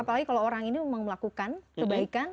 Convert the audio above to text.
apalagi kalau orang ini memang melakukan kebaikan